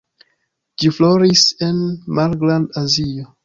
Ĝi floris en Malgrand-Azio.